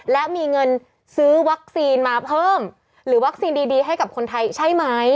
และมีเงินซื้อวัคซีนมาเพิ่มหรือวัคซีนดีให้กับคนไทยใช่ไหม